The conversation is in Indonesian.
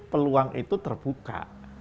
peluang itu terbuka